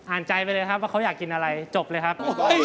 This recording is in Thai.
ใจไปเลยครับว่าเขาอยากกินอะไรจบเลยครับ